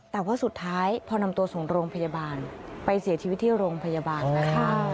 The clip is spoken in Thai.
แต่ว่าสุดท้ายพอนำตัวส่งโรงพยาบาลไปเสียชีวิตที่โรงพยาบาลนะคะ